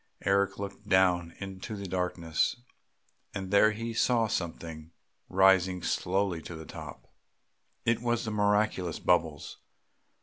Eric looked down into the darkness, and there he saw something rising slowly to the top.... It was the miraculous bubbles.